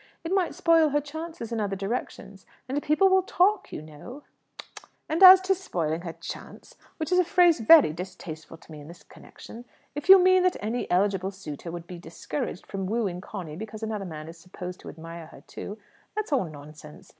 It might spoil her chance in other directions; and people will talk, you know." "Tut, tut! As to 'spoiling her chance' which is a phrase very distasteful to me in this connection if you mean that any eligible suitor would be discouraged from wooing Conny because another man is supposed to admire her too, that's all nonsense.